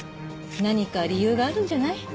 何か理由があるんじゃない？